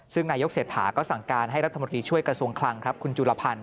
ซึ่งนายกเศรษฐาก็สั่งการให้รัฐมนตรีช่วยกระทรวงคลังครับคุณจุลพันธ